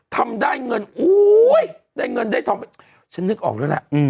ทำได้เงินอุ้ยได้เงินได้ทองไปฉันนึกออกแล้วล่ะ